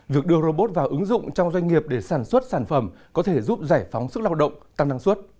việc đưa robot vào ứng dụng trong doanh nghiệp để sản xuất sản phẩm có thể giúp giải phóng sức lao động